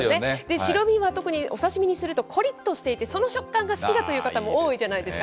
白身は特にお刺身にすると、こりっとして、その食感が好きだという方も多いじゃないですか。